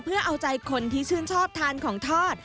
เพื่อเอาใจคนที่ชื่นชอบทานของทอด